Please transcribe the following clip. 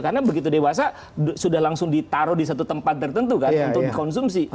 karena begitu dewasa sudah langsung ditaruh di satu tempat tertentu kan untuk dikonsumsi